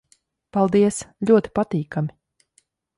Paldies. Ļoti patīkami...